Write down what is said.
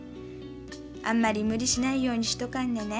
あんまり無理しないようにしとかんでね。